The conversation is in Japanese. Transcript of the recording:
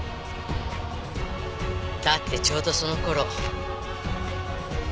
だってちょうどその頃。